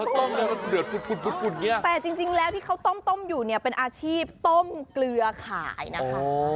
แต่จริงแล้วที่เขาต้มอยู่เป็นอาชีพต้มเกลือขายนะคะ